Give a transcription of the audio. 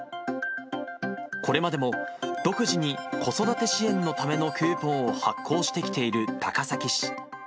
これまでも独自に子育て支援のためのクーポンを発行してきている高崎市。